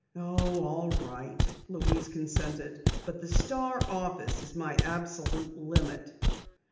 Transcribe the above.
"Oh, all right," Louise consented. "But the Star office is my absolute limit."